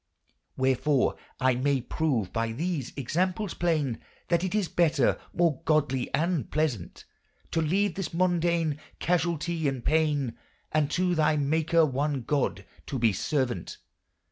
••••••• Wherfore I may prove by these examples playne That it is better more godly and plesant To leve this mondayne casualte and payne And to thy maker one god to be servaunt.